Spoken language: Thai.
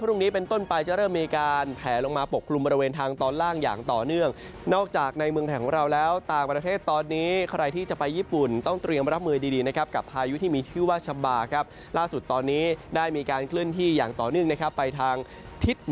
ที่จะเดินทางไปญี่ปุ่นอาจจะต้องระวังหน่อย